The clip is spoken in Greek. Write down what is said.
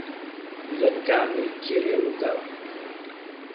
Δεν κάνει, κύριε Λουκά